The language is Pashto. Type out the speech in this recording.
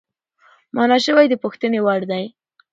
مانا شوی د پوښتنې وړدی،